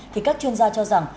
thì các chuyên gia cho rằng